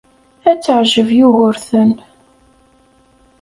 Ad teɛjeb Yugurten.